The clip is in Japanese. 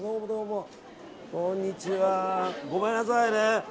こんにちは、ごめんなさいね。